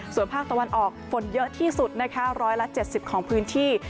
ส่วนภาคตะวันออกฝนเยอะที่สุดนะคะ๑๗๐ของพื้นที่